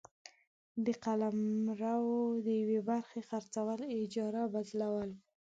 د قلمرو د یوې برخي خرڅول ، اجاره ، بدلول،